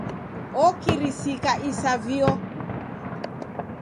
Okirisika isavio.